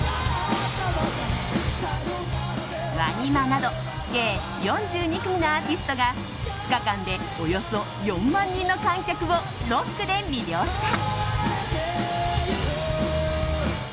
ＷＡＮＩＭＡなど計４２組のアーティストが２日間でおよそ４万人の観客をロックで魅了した。